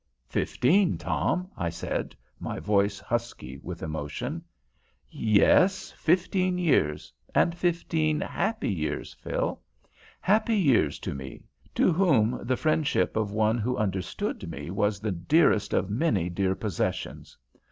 "Fifteen, Tom," I said, my voice husky with emotion. "Yes, fifteen years, and fifteen happy years, Phil. Happy years to me, to whom the friendship of one who understood me was the dearest of many dear possessions.